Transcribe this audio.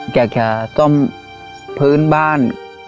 จะแค่ซ่อมพื้นบ้าน